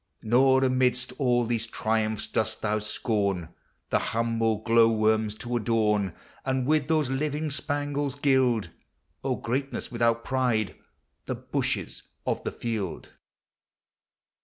Nor amidst all these triumphs dosl thou BCOni The humble glow worms to adorn. And with those living spangles gild (O greatness without pride!) the bushes of the field.